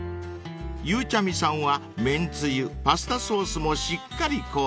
［ゆうちゃみさんは麺つゆパスタソースもしっかり購入］